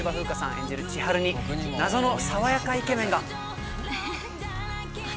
演じる千晴に謎の爽やかイケメンが！